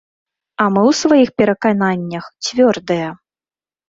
А мы ў сваіх перакананнях цвёрдыя.